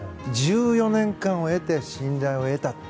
１４年間を経て信頼を得たと。